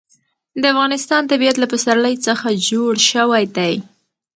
د افغانستان طبیعت له پسرلی څخه جوړ شوی دی.